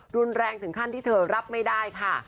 รุนแรงถึงขั้นที่เธอรับไม่ได้ค่ะ